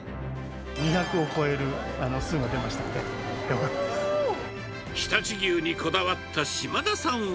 ２００を超える数が出ました常陸牛にこだわった島田さん